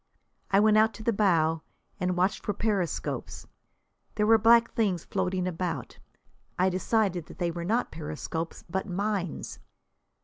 I went out to the bow and watched for periscopes. There were black things floating about. I decided that they were not periscopes, but mines.